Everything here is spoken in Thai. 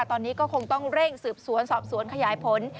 ตอนนี้ก็คงต้องเร่งสืบสวนสอบสวนขยายผล